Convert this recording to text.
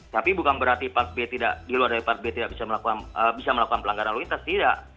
tapi bukan berarti di luar dari plat b tidak bisa melakukan pelanggaran luitas tidak